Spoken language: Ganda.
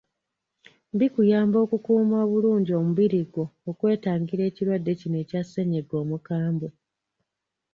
Bikuyamba okukuuma bulungi omubiri gwo okwetangira ekirwadde kino ekya ssennyiga omukambwe.